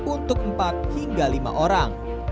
untuk empat hingga lima orang